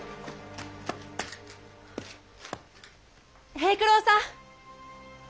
平九郎さん。